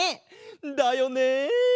だよね。